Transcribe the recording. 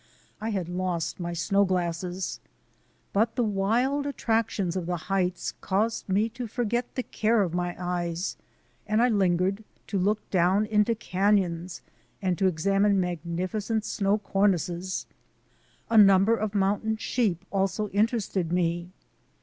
I had lo t my snow glasses. But the wild attractions of the heights caused me to forget the care of my eyes and I lingered to look down into canons and to examine magnificent snow cornices. A number of mountain sheep also interested me.